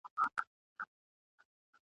په قفس پسي یی وکړل ارمانونه ..